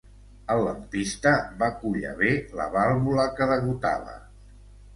El lampista va collar bé la vàlvula que degotava.